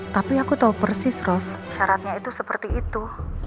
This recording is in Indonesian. tapi aku tahu persis ros syaratnya itu seperti itu